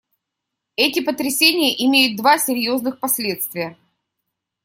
Эти потрясения имеют два серьезных последствия.